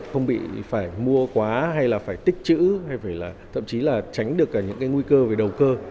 không bị phải mua quá hay là phải tích chữ hay là thậm chí là tránh được cả những cái nguy cơ về đầu cơ